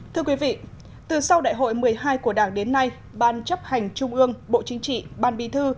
thưa quý vị từ sau đại hội một mươi hai của đảng đến nay ban chấp hành trung ương bộ chính trị ban bí thư